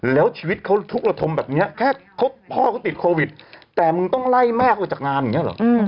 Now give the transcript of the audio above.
แล้วชีวิตเขาทุกระทมแบบนี้แค่พ่อเขาติดโควิดแต่มึงต้องไล่แม่เขาออกจากงานอย่างนี้เหรอ